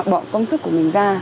bọn công sức của mình ra